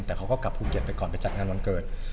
แต่เขาก็กลับภูเก็ตไปก่อนไปจัดงานวันเกิด